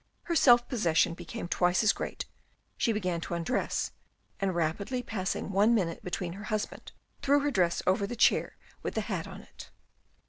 Her self possession became twice as great, she began to undress, and rapidly passing one minute behind her husband threw her dress over the chair with the hat on it.